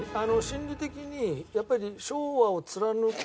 心理的にやっぱり。